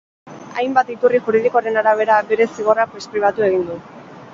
Hainbat iturri juridikoren arabera, bere zigorrak preskribitu egin du.